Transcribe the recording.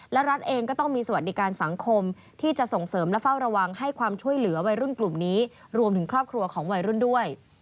และรัฐเองก็ต้องมีสวัสดิการสังคมที่จะส่งเสริมและเฝ้าระวังให้ความช่วยเหลือวัยรุ่นกลุ่มนี้รวมถึงครอบครัวของวัยรุ่นด้วย